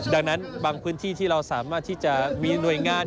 ดังนั้นบางพื้นที่ที่เราสามารถที่จะมีหน่วยงาน